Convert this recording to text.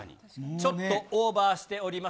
ちょっとオーバーしております。